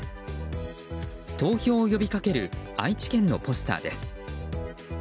投票を呼び掛ける愛知県のポスターです。